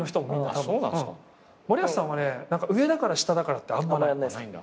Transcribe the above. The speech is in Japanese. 森保さんはね上だから下だからってあんまない。